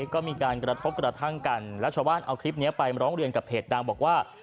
ก็มีการกระทบกระทั่งกันแล้วชาวบ้านเอาคลิปนี้ไปร้องเรียนกับเพจดังบอกว่า